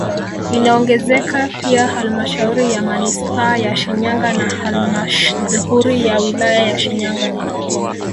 Inaongezeka pia halmashauri ya manispaa ya Shinyanga na halmasdhauri ya wilaya ya Shinyanga